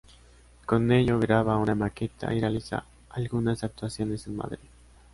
Con ellos graba una maqueta y realiza algunas actuaciones en Madrid.